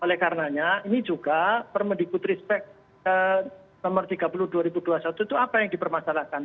oleh karenanya ini juga permendikbud ristek nomor tiga puluh dua ribu dua puluh satu itu apa yang dipermasalahkan